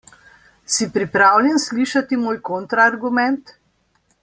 Si pripravljen slišati moj kontra argument?